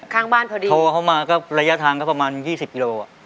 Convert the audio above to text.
ข้างบ้านพอดีโทรเข้ามาระยะทางก็ประมาณ๒๐กิโลกรัม